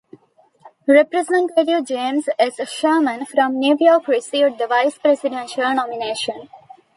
Representative James S. Sherman from New York received the vice-presidential nomination.